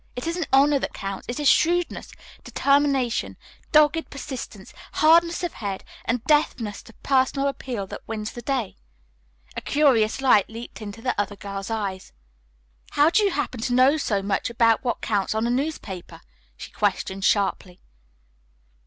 It isn't honor that counts. It is shrewdness, determination, dogged persistence, hardness of head, and deafness to personal appeal that wins the day." A curious light leaped into the other girl's eyes. "How do you happen to know so much about what counts on a newspaper?" she questioned sharply.